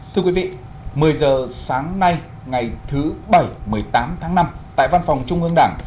thưa quý vị một mươi giờ sáng nay ngày thứ bảy một mươi tám tháng năm tại văn phòng trung ương đảng